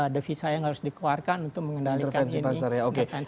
devisa yang harus dikeluarkan untuk mengendalikan ini